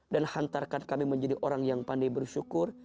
dan hantarkan kami menjadi orang yang pandai bersyukur